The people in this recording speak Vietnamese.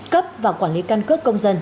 cấp và quản lý căn cước công dân